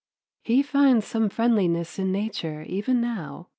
He finds some friendliness in nature even now.